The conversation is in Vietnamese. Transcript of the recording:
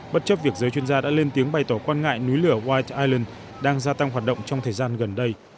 bất chấp việc giới chuyên gia đã lên tiếng bày tỏ quan ngại núi lửa white island đang gia tăng hoạt động trong thời gian gần đây